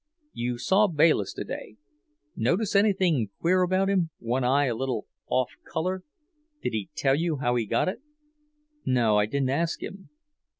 "You saw Bayliss today? Notice anything queer about him, one eye a little off colour? Did he tell you how he got it?" "No. I didn't ask him."